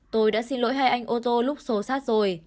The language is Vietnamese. tôi đã xin lỗi hai anh ô tô lúc xô xát rồi